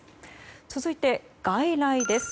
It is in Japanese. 続いて外来です。